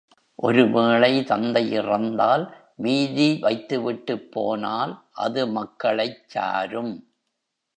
ஒரு வேளை தந்தை இறந்தால், மீதி வைத்து விட்டுப் போனால் அது மக்களைச் சாரும்.